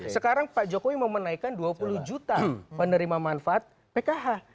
sekarang pak jokowi mau menaikkan dua puluh juta penerima manfaat pkh